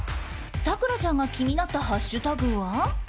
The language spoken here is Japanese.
咲楽ちゃんが気になったハッシュタグは？